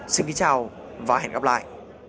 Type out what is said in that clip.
xin kính chào và hẹn gặp lại